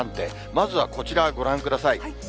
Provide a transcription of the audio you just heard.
まずはこちら、ご覧ください。